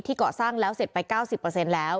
ที่ก่อสร้างเสร็จไป๙๐แล้ว